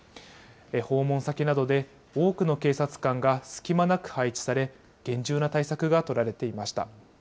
訪問先などで、多くの警察官が隙間なく配置され、厳重な対策が取られていました。